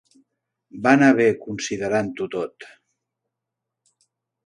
Va anar bé, considerant-ho tot.